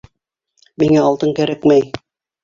— Миңә алтын кәрәкмәй.